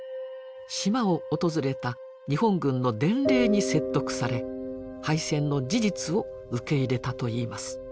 島を訪れた日本軍の伝令に説得され敗戦の事実を受け入れたといいます。